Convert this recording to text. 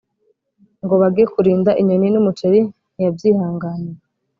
ngo bage kurinda inyoni mu muceri ntiyabyihanganiye.